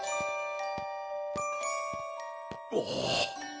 わあ！